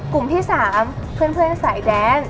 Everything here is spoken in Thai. กลุ่มที่๓เพื่อนสายแดน